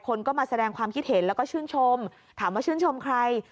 คนก็มาแสดงความคิดเห็นแล้วก็ชื่นชมถามว่าชื่นชมใคร